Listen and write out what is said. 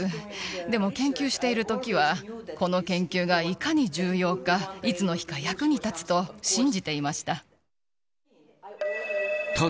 でも研究しているときは、この研究がいかに重要か、いつの日か役に立つと信じていました。